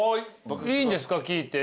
いいんですか聞いて色々。